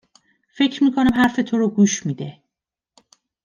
فکر می کنم حرف تو رو گوش می ده